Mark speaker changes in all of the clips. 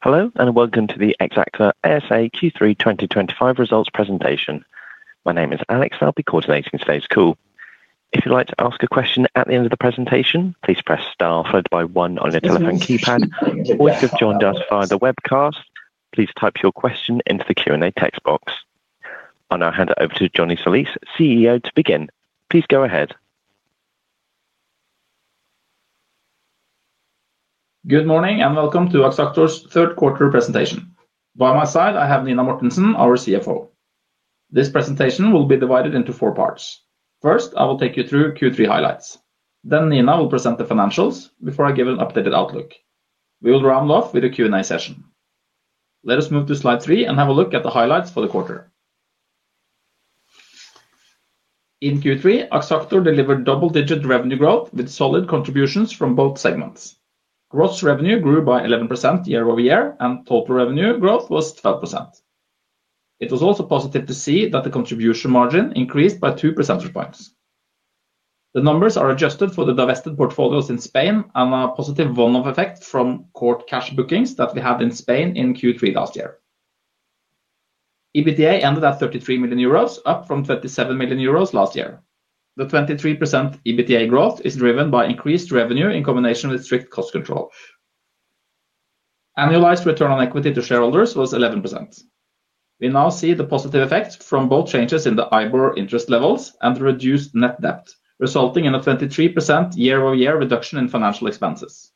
Speaker 1: Hello and welcome to the Axactor ASA Q3 2025 results presentation. My name is Alex and I'll be coordinating today's call. If you'd like to ask a question at the end of the presentation, please press star followed by one on your telephone keypad. If you've joined us via the webcast, please type your question into the Q&A text box. I'll now hand it over to Johnny Tsolis, CEO, to begin. Please go ahead.
Speaker 2: Good morning and welcome to Axactor's third quarter presentation. By my side, I have Nina Mortensen, our CFO. This presentation will be divided into four parts. First, I will take you through Q3 highlights. Then Nina will present the financials before I give an updated outlook. We will round off with a Q&A session. Let us move to slide three and have a look at the highlights for the quarter. In Q3, Axactor delivered double-digit revenue growth with solid contributions from both segments. Gross revenue grew by 11% year-over-year, and total revenue growth was 12%. It was also positive to see that the contribution margin increased by two percentage points. The numbers are adjusted for the divested portfolios in Spain and a positive one-off effect from court cash bookings that we had in Spain in Q3 last year. EBITDA ended at 33 million euros, up from 27 million euros last year. The 23% EBITDA growth is driven by increased revenue in combination with strict cost control. Annualized return on equity to shareholders was 11%. We now see the positive effects from both changes in the IBOR interest levels and the reduced net debt, resulting in a 23% year-over-year reduction in financial expenses.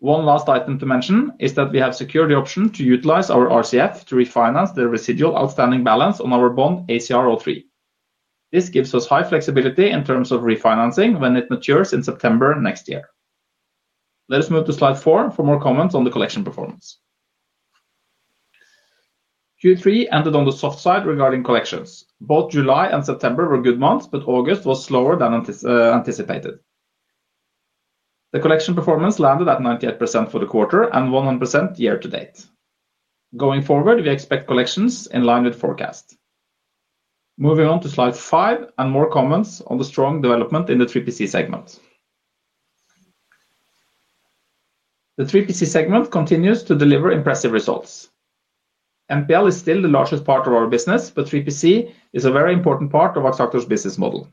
Speaker 2: One last item to mention is that we have secured the option to utilize our RCF to refinance the residual outstanding balance on our bond ACR03. This gives us high flexibility in terms of refinancing when it matures in September next year. Let us move to slide four for more comments on the collection performance. Q3 ended on the soft side regarding collections. Both July and September were good months, but August was slower than anticipated. The collection performance landed at 98% for the quarter and 100% year to date. Going forward, we expect collections in line with the forecast. Moving on to slide five and more comments on the strong development in the 3PC segment. The 3PC segment continues to deliver impressive results. NPL is still the largest part of our business, but 3PC is a very important part of Axactor's business model.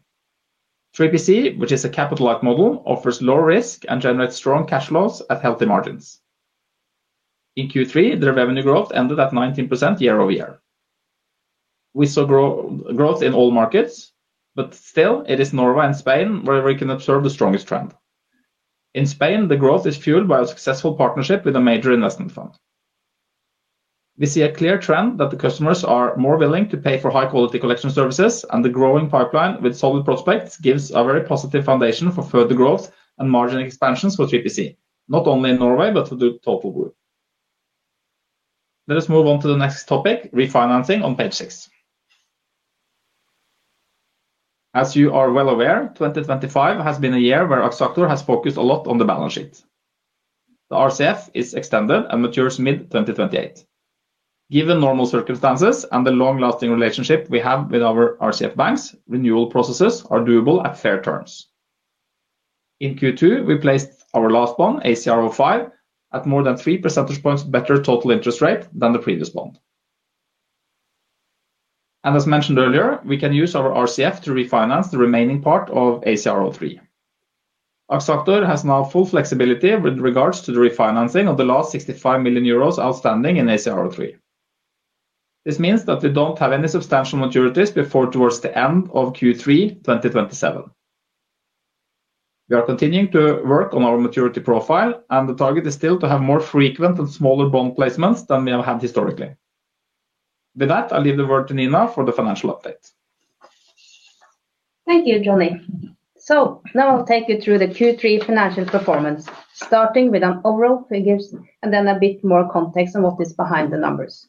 Speaker 2: 3PC, which is a capital-like model, offers low risk and generates strong cash flows at healthy margins. In Q3, the revenue growth ended at 19% year-over-year. We saw growth in all markets, but still it is Norway and Spain where we can observe the strongest trend. In Spain, the growth is fueled by a successful partnership with a major investment fund. We see a clear trend that the customers are more willing to pay for high-quality collection services, and the growing pipeline with solid prospects gives a very positive foundation for further growth and margin expansions for 3PC, not only in Norway but for the total group. Let us move on to the next topic, refinancing on page six. As you are well aware, 2025 has been a year where Axactor has focused a lot on the balance sheet. The RCF is extended and matures mid-2028. Given normal circumstances and the long-lasting relationship we have with our RCF banks, renewal processes are doable at fair terms. In Q2, we placed our last bond, ACR05, at more than 3% better total interest rate than the previous bond. As mentioned earlier, we can use our RCF to refinance the remaining part of ACR03. Axactor has now full flexibility with regards to the refinancing of the last 65 million euros outstanding in ACR03. This means that we don't have any substantial maturities before towards the end of Q3 2027. We are continuing to work on our maturity profile, and the target is still to have more frequent and smaller bond placements than we have had historically. With that, I'll leave the word to Nina for the financial update.
Speaker 3: Thank you, Johnny. Now I'll take you through the Q3 financial performance, starting with an overall figure and then a bit more context on what is behind the numbers.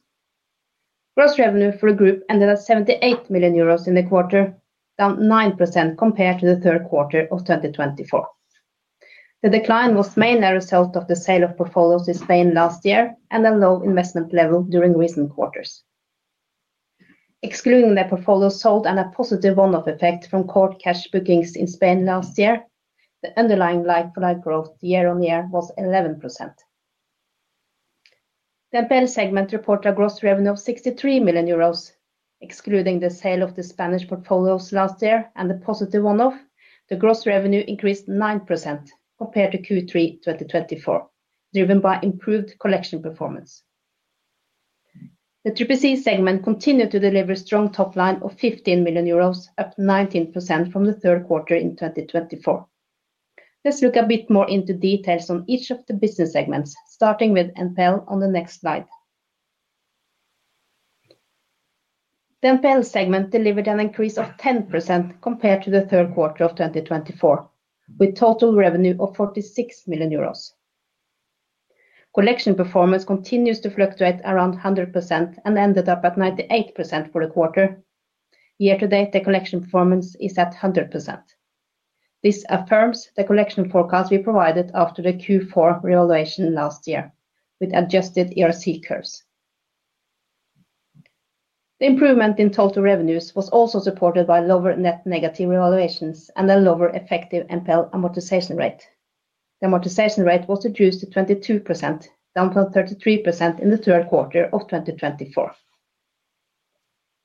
Speaker 3: Gross revenue for the group ended at 78 million euros in the quarter, down 9% compared to the third quarter of 2024. The decline was mainly a result of the sale of portfolios in Spain last year and a low investment level during recent quarters. Excluding the portfolios sold and a positive one-off effect from court cash bookings in Spain last year, the underlying like-for-like growth year on year was 11%. The NPL segment reported a gross revenue of 63 million euros. Excluding the sale of the Spanish portfolios last year and the positive one-off, the gross revenue increased 9% compared to Q3 2024, driven by improved collection performance. The 3PC segment continued to deliver a strong top line of 15 million euros, up 19% from the third quarter in 2024. Let's look a bit more into details on each of the business segments, starting with NPL on the next slide. The NPL segment delivered an increase of 10% compared to the third quarter of 2024, with a total revenue of 46 million euros. Collection performance continues to fluctuate around 100% and ended up at 98% for the quarter. Year to date, the collection performance is at 100%. This affirms the collection forecast we provided after the Q4 revaluation last year, with adjusted ERC curves. The improvement in total revenues was also supported by lower net negative revaluations and a lower effective NPL amortization rate. The amortization rate was reduced to 22%, down from 33% in the third quarter of 2024.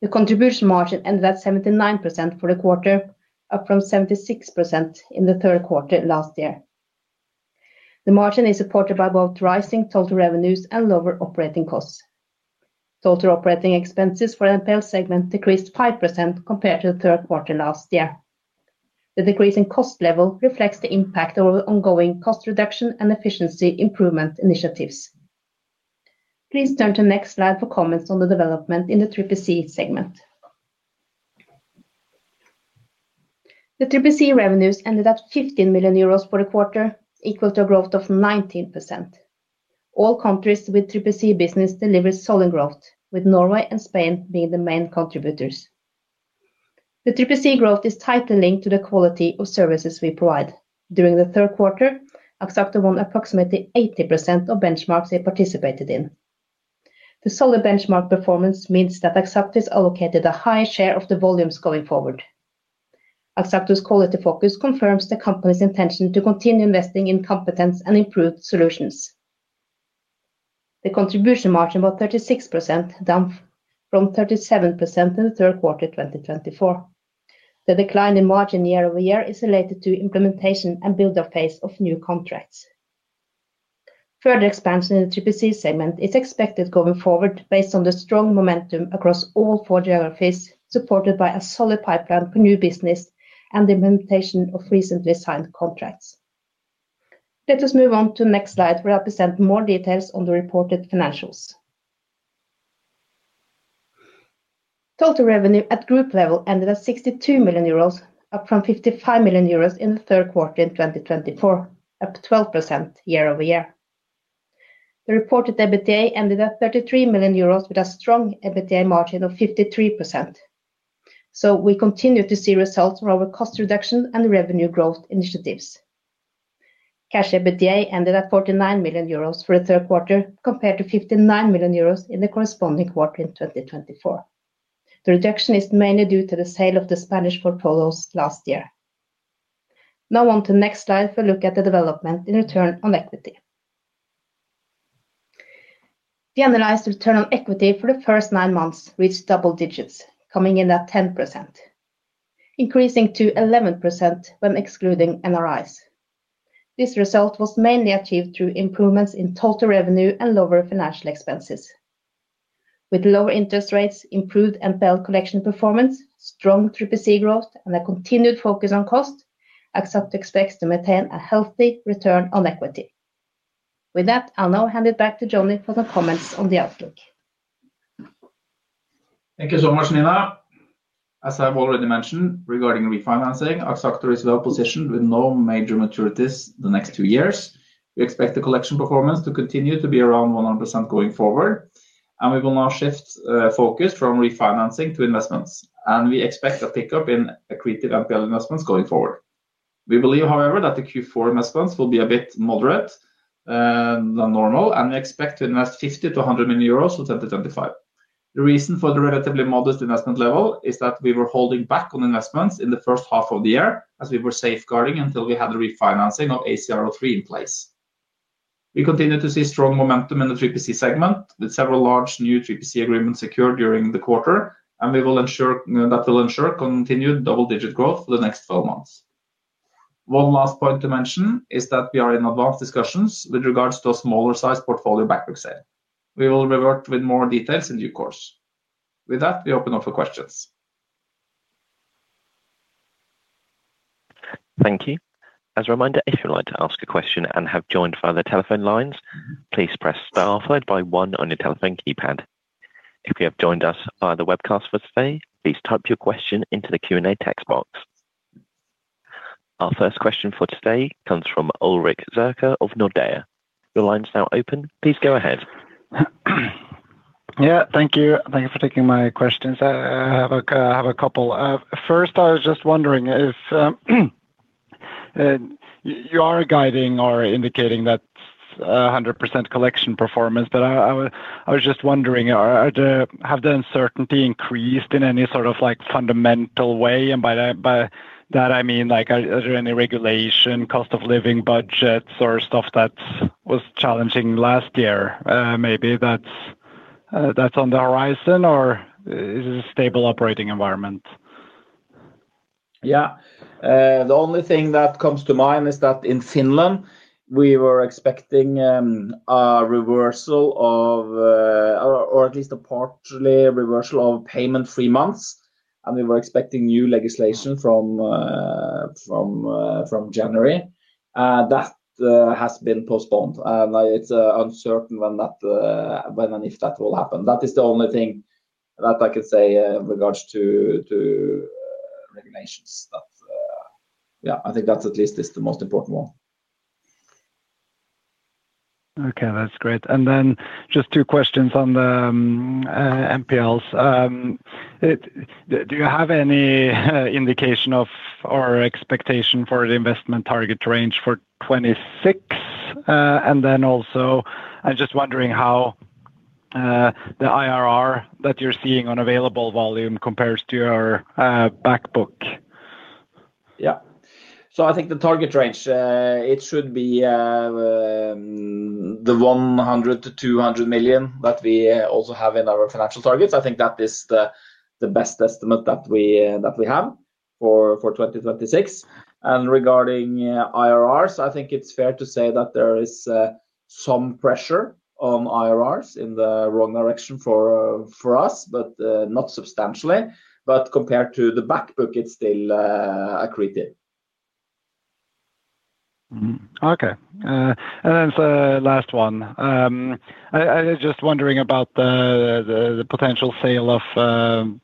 Speaker 3: The contribution margin ended at 79% for the quarter, up from 76% in the third quarter last year. The margin is supported by both rising total revenues and lower operating costs. Total operating expenses for the NPL segment decreased 5% compared to the third quarter last year. The decrease in cost level reflects the impact of our ongoing cost reduction and efficiency improvement initiatives. Please turn to the next slide for comments on the development in the 3PC segment. The 3PC revenues ended at 15 million euros for the quarter, equal to a growth of 19%. All countries with 3PC business delivered solid growth, with Norway and Spain being the main contributors. The 3PC growth is tightly linked to the quality of services we provide. During the third quarter, Axactor won approximately 80% of benchmarks they participated in. The solid benchmark performance means that Axactor has allocated a high share of the volumes going forward. Axactor's quality focus confirms the company's intention to continue investing in competence and improved solutions. The contribution margin was 36%, down from 37% in the third quarter 2024. The decline in margin year-over-year is related to the implementation and build-up phase of new contracts. Further expansion in the 3PC segment is expected going forward based on the strong momentum across all four geographies, supported by a solid pipeline for new business and the implementation of recently signed contracts. Let us move on to the next slide where I'll present more details on the reported financials. Total revenue at group level ended at 62 million euros, up from 55 million euros in the third quarter in 2024, up 12% year-over-year. The reported EBITDA ended at EUR 33 million, with a strong EBITDA margin of 53%. We continue to see results from our cost reduction and revenue growth initiatives. Cash EBITDA ended at 49 million euros for the third quarter, compared to 59 million euros in the corresponding quarter in 2024. The reduction is mainly due to the sale of the Spanish portfolios last year. Now on to the next slide for a look at the development in return on equity. The annualized return on equity for the first nine months reached double digits, coming in at 10%, increasing to 11% when excluding NRIs. This result was mainly achieved through improvements in total revenue and lower financial expenses. With lower interest rates, improved NPL collection performance, strong 3PC growth, and a continued focus on cost, Axactor expects to maintain a healthy return on equity. With that, I'll now hand it back to Johnny for some comments on the outlook.
Speaker 2: Thank you so much, Nina. As I've already mentioned, regarding refinancing, Axactor is well positioned with no major maturities in the next two years. We expect the collection performance to continue to be around 100% going forward. We will now shift focus from refinancing to investments, and we expect a pickup in accretive NPL investments going forward. We believe, however, that the Q4 investments will be a bit more moderate than normal, and we expect to invest 50 million-100 million euros for 2025. The reason for the relatively modest investment level is that we were holding back on investments in the first half of the year as we were safeguarding until we had the refinancing of ACR03 in place. We continue to see strong momentum in the 3PC segment with several large new 3PC agreements secured during the quarter, and we will ensure continued double-digit growth for the next 12 months. One last point to mention is that we are in advanced discussions with regards to a smaller-sized portfolio backbook sale. We will revert with more details in due course. With that, we open up for questions.
Speaker 1: Thank you. As a reminder, if you'd like to ask a question and have joined via the telephone lines, please press star followed by one on your telephone keypad. If you have joined us via the webcast for today, please type your question into the Q&A text box. Our first question for today comes from Ulrik Zürcher of Nordea. Your line's now open. Please go ahead.
Speaker 4: Thank you. Thank you for taking my questions. I have a couple. First, I was just wondering if you are guiding or indicating that 100% collection performance, but I was just wondering, have the uncertainty increased in any sort of like fundamental way? By that, I mean, like are there any regulation, cost of living budgets, or stuff that was challenging last year? Maybe that's on the horizon, or is it a stable operating environment?
Speaker 2: Yeah. The only thing that comes to mind is that in Finland, we were expecting a reversal of, or at least a partial reversal of payment-free months, and we were expecting new legislation from January. That has been postponed, and it's uncertain when and if that will happen. That is the only thing that I can say in regards to regulations. Yeah, I think that at least is the most important one.
Speaker 4: Okay, that's great. Just two questions on the NPLs. Do you have any indication or expectation for the investment target range for 2026? I'm just wondering how the IRR that you're seeing on available volume compares to your backbook.
Speaker 2: Yeah. I think the target range should be the 100-200 million that we also have in our financial targets. I think that is the best estimate that we have for 2026. Regarding IRRs, I think it's fair to say that there is some pressure on IRRs in the wrong direction for us, not substantially. Compared to the backbook, it's still accretive.
Speaker 4: Okay. The last one, I was just wondering about the potential sale of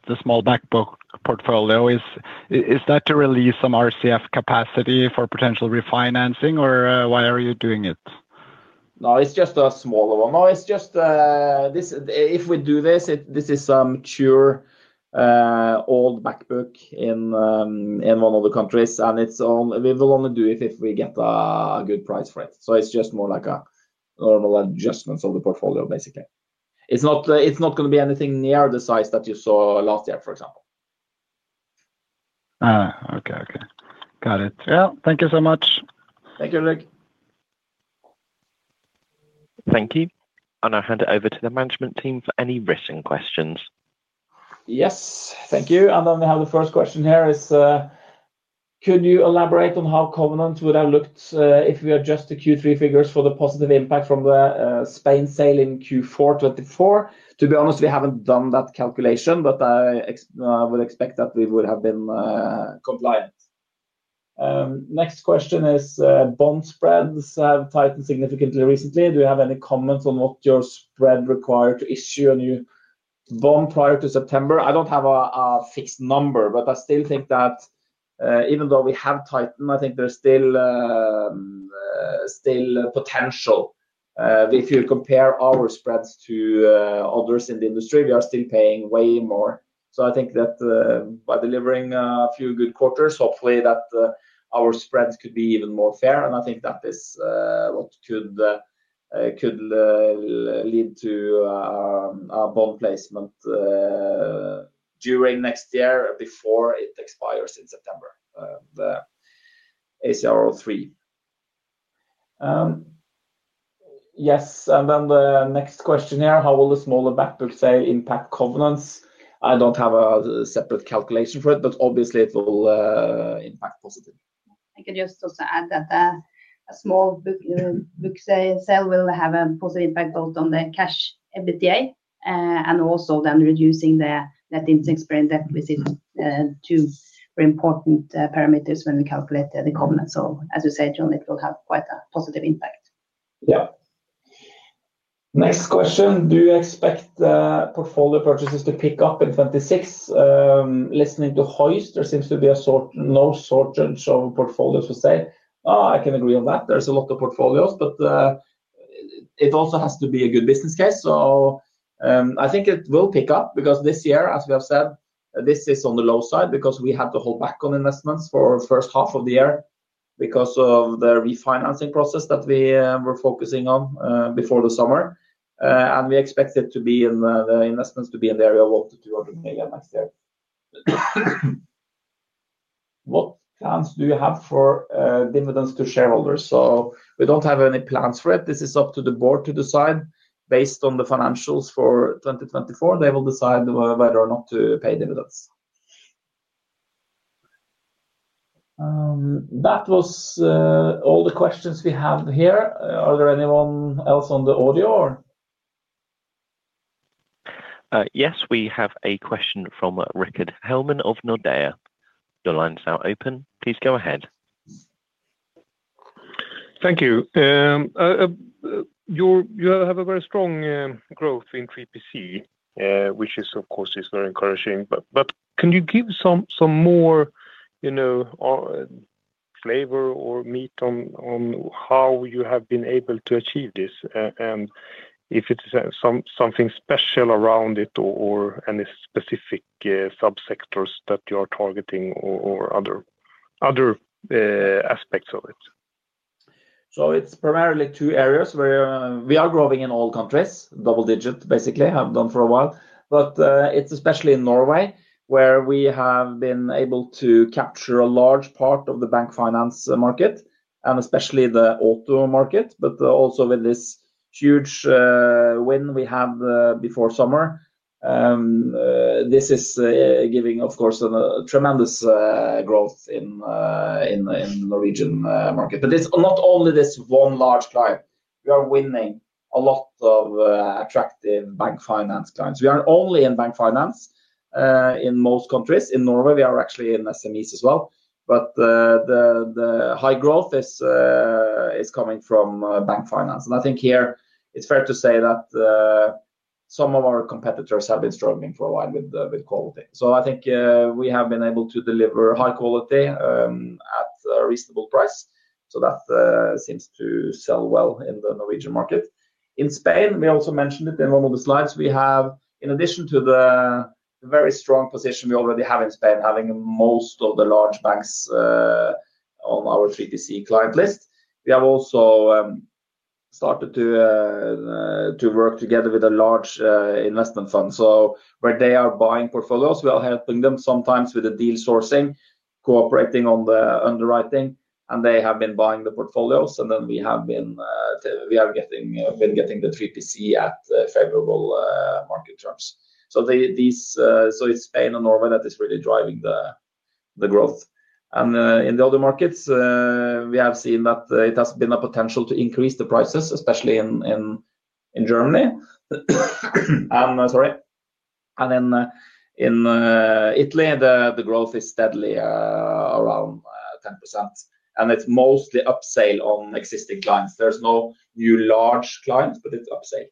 Speaker 4: the small backbook portfolio. Is that to release some RCF capacity for potential refinancing, or why are you doing it?
Speaker 2: No, it's just a smaller one. No, it's just if we do this, this is a mature old backbook in one of the countries, and we will only do it if we get a good price for it. It's just more like a normal adjustment of the portfolio, basically. It's not going to be anything near the size that you saw last year, for example.
Speaker 4: Okay, got it. Yeah, thank you so much.
Speaker 2: Thank you, Ulrik.
Speaker 1: Thank you. I'll hand it over to the management team for any written questions.
Speaker 2: Yes, thank you. We have the first question here: could you elaborate on how covenants would have looked if we adjust the Q3 figures for the positive impact from the Spain sale in Q4 2024? To be honest, we haven't done that calculation, but I would expect that we would have been compliant. Next question is, bond spreads have tightened significantly recently. Do you have any comments on what your spread required to issue a new bond prior to September? I don't have a fixed number, but I still think that even though we have tightened, I think there's still potential. If you compare our spreads to others in the industry, we are still paying way more. I think that by delivering a few good quarters, hopefully, our spreads could be even more fair. I think that is what could lead to a bond placement during next year before it expires in September, the ACR03. Yes. The next question here, how will the smaller backbook sale impact covenants? I don't have a separate calculation for it, but obviously, it will impact positively.
Speaker 3: I can just also add that a small backbook sale will have a positive impact both on the cash EBITDA and also then reducing the net interest rate and debt, which are two very important parameters when we calculate the covenants. As you said, Johnny, it will have quite a positive impact.
Speaker 2: Yeah. Next question, do you expect portfolio purchases to pick up in 2026? Listening to Hoist, there seems to be no shortage of portfolios for sale. I can agree on that. There's a lot of portfolios, but it also has to be a good business case. I think it will pick up because this year, as we have said, this is on the low side because we had to hold back on investments for the first half of the year because of the refinancing process that we were focusing on before the summer. We expect the investments to be in the area of up to 200 million next year. What plans do you have for dividends to shareholders? We don't have any plans for it. This is up to the board to decide. Based on the financials for 2024, they will decide whether or not to pay dividends. That was all the questions we have here. Are there anyone else on the audio?
Speaker 1: Yes, we have a question from Rickard Hellman of Nordea. Your line's now open. Please go ahead.
Speaker 5: Thank you. You have a very strong growth in 3PC, which is, of course, very encouraging. Can you give some more flavor or meat on how you have been able to achieve this? Is it something special around it or any specific subsectors that you are targeting or other aspects of it?
Speaker 2: It's primarily two areas where we are growing in all countries. Double-digit, basically, have done for a while. It's especially in Norway where we have been able to capture a large part of the bank finance market and especially the auto market. With this huge win we had before summer, this is giving, of course, a tremendous growth in the Norwegian market. It's not only this one large client. We are winning a lot of attractive bank finance clients. We aren't only in bank finance in most countries. In Norway, we are actually in SMEs as well. The high growth is coming from bank finance. I think here it's fair to say that some of our competitors have been struggling for a while with quality. I think we have been able to deliver high quality at a reasonable price. That seems to sell well in the Norwegian market. In Spain, we also mentioned it in one of the slides. In addition to the very strong position we already have in Spain, having most of the large banks on our 3PC client list, we have also started to work together with a large investment fund. Where they are buying portfolios, we are helping them sometimes with the deal sourcing, cooperating on the underwriting, and they have been buying the portfolios. We have been getting the 3PC at favorable market terms. It's Spain and Norway that is really driving the growth. In the other markets, we have seen that it has been a potential to increase the prices, especially in Germany. In Italy, the growth is steadily around 10%. It's mostly upsell on existing clients. There's no new large clients, but it's upsell.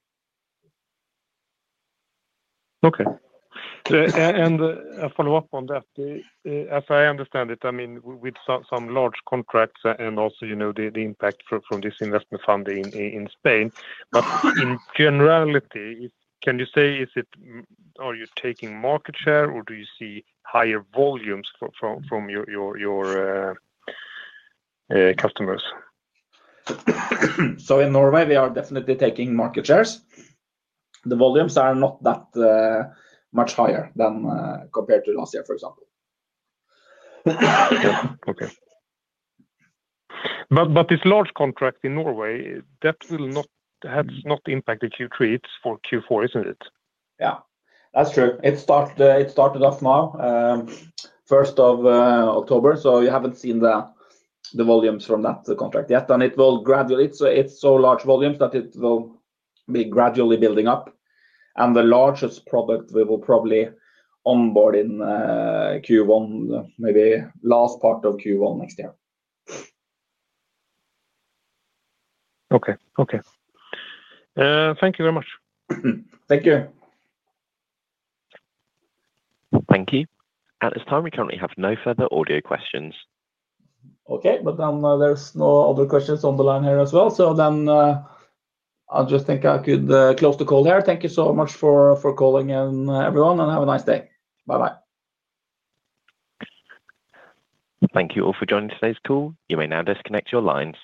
Speaker 5: Okay. I'll follow up on that. As I understand it, with some large contracts and also the impact from this investment fund in Spain, in generality, can you say, are you taking market share or do you see higher volumes from your customers?
Speaker 2: In Norway, we are definitely taking market shares. The volumes are not that much higher than compared to last year, for example.
Speaker 5: Okay. This large contract in Norway has not impacted Q3 for Q4, isn't it?
Speaker 2: Yeah, that's true. It started off now, 1st of October. You haven't seen the volumes from that contract yet. It will gradually, it's so large volumes that it will be gradually building up. The largest product we will probably onboard in Q1, maybe last part of Q1 next year.
Speaker 5: Okay, okay. Thank you very much.
Speaker 2: Thank you.
Speaker 1: Thank you. At this time, we currently have no further audio questions.
Speaker 2: Okay, but there's no other questions on the line here as well. I just think I could close the call here. Thank you so much for calling in, everyone, and have a nice day. Bye-bye.
Speaker 1: Thank you all for joining today's call. You may now disconnect your lines.